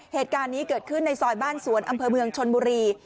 เหตุการณ์นี้เกิดขึ้นในซอยบ้านสวนอำเภอเมืองชนบุรี